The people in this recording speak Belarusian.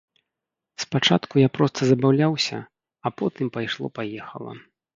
Спачатку я проста забаўляўся, а потым пайшло-паехала.